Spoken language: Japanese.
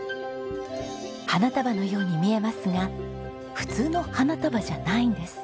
花束のように見えますが普通の花束じゃないんです。